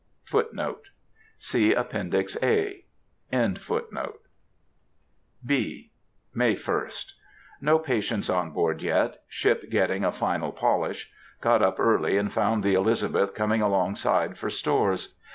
Footnote 2: See Appendix A. (B.) May 1st. No patients on board yet; ship getting a final polish. Got up early and found the Elizabeth coming along side for stores.